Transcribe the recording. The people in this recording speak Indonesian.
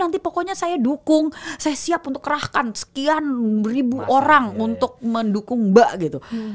nanti pokoknya saya dukung saya siap untuk kerahkan sekian ribu orang untuk mendukung mbak gitu